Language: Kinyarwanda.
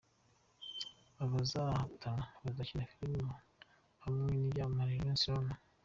Abazatoranwa bazakina filime hamwe n’icyamamare Ramsey Nouah.